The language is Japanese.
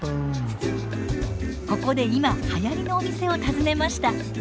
ここで今はやりのお店を訪ねました。